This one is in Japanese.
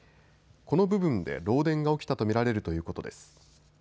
この部分で漏電が起きたと見られるということです。